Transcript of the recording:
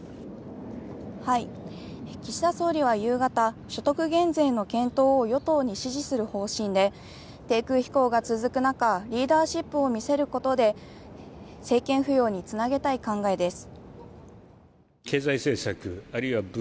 岸田総理は夕方所得減税の検討を与党に指示する方針で低空飛行が続く中リーダーシップを見せることで政権浮揚につなげたい考えです。